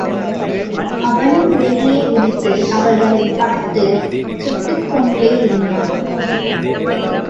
அவனும் வெளியே குதித்து அவர்களைப் பார்த்துச் சுட்டுக்கொண்டேயிருந்தான்.